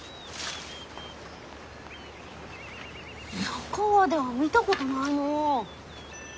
佐川では見たことないのう。